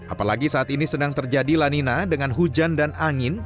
apalagi saat ini sedang terjadi lanina dengan hujan dan angin